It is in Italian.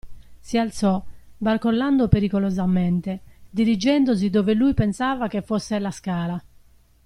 Si alzò, barcollando pericolosamente, dirigendosi dove lui pensava che fosse la scala.